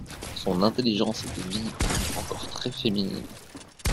Son intelligence était vive, mais encore très féminine.